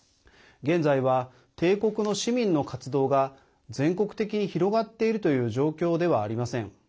現在は帝国の市民の活動が全国的に広がっているという状況ではありません。